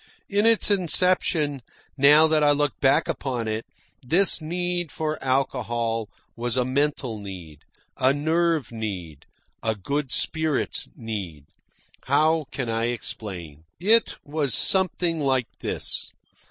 In its inception, now that I look back upon it, this need for alcohol was a mental need, a nerve need, a good spirits need. How can I explain? It was something like this.